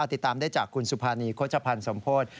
ติดตามได้จากกุญสุภานีโคชพันธ์สมโภต